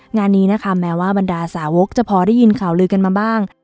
งานนี้นะคะแม้ว่าบรรดาสาวกจะพอได้ยินข่าวลือกันมาบ้าง